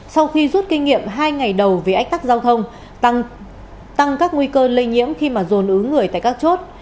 sau khi rút kinh nghiệm hai ngày đầu về ách tắc giao thông tăng các nguy cơ lây nhiễm khi mà dồn ứ người tại các chốt